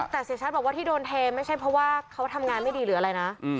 แต่เสียชัดบอกว่าที่โดนเทไม่ใช่เพราะว่าเขาทำงานไม่ดีหรืออะไรนะ